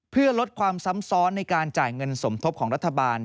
เพื่อลดความซ้ำซ้อนในการจ่ายเงินสมทบของรัฐบาล